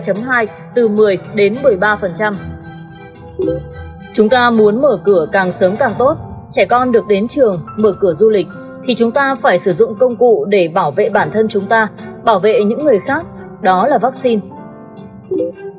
chúng ta muốn mở cửa càng sớm càng tốt trẻ con được đến trường mở cửa du lịch thì chúng ta phải sử dụng công cụ để bảo vệ bản thân chúng ta bảo vệ những người khác đó là vaccine